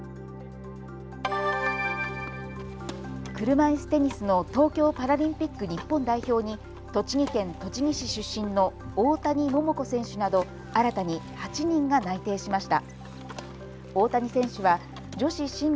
車いすテニスの東京パラリンピック日本代表に栃木県栃木市出身の大谷桃子選手など新たに８人が内定しました。